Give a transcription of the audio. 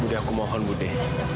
budi aku mohon budi